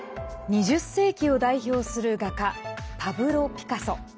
２０世紀を代表する画家パブロ・ピカソ。